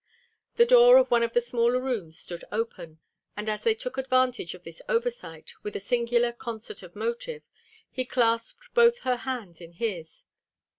The door of one of the smaller rooms stood open, and as they took advantage of this oversight with a singular concert of motive, he clasped both her hands in his.